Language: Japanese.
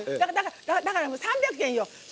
だから３００円よ。